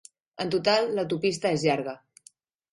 En total, l'autopista és llarga.